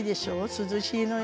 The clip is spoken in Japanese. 涼しいのよ。